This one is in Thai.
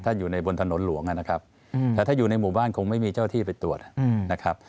ถ้าอยู่ในบนถนนหลวงนะครับแต่ถ้าอยู่ในหมู่บ้านคงไม่มีเจ้าที่ไปตรวจนะครับ